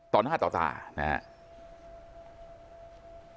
ตอนห้าต่อตานะฮะ